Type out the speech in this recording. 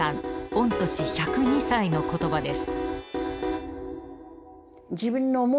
御年１０２歳の言葉です。